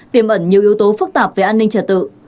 tiềm ẩn nhiều yếu tố phức tạp về an ninh trật tự